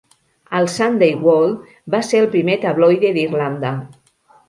El "Sunday World" va ser el primer tabloide d'Irlanda.